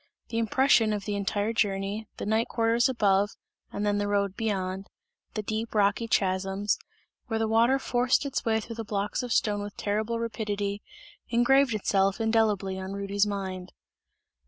The impression of the entire journey, the night quarters above and then the road beyond, the deep rocky chasms, where the water forced its way through the blocks of stone with terrible rapidity, engraved itself indelibly on Rudy's mind.